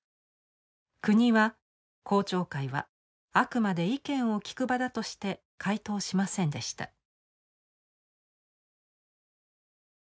国は公聴会はあくまで意見を聞く場だとして回答しませんでした。